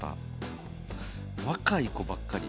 若い子ばっかり。